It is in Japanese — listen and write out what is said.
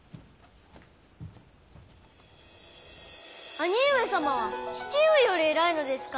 兄上様は父上より偉いのですか？